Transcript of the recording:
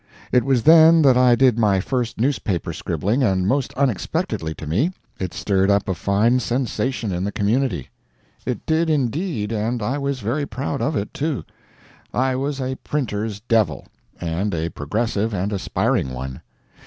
It was then that I did my first newspaper scribbling, and most unexpectedly to me it stirred up a fine sensation in the community. It did, indeed, and I was very proud of it, too. I was a printer's "devil," and a progressive and aspiring one.